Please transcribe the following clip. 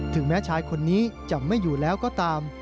แม้ชายคนนี้จะไม่อยู่แล้วก็ตาม